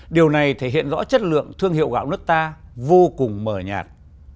điều này thể hiện rõ chất lượng thương hiệu gạo nước ta vô cùng mờ nhạt